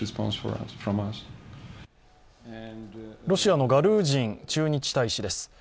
ロシアのガルージン駐日大使です。